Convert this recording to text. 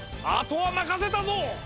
あとはまかせたぞ！